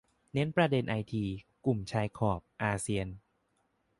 เน้นประเด็นไอที-กลุ่มชายขอบ-อาเซียน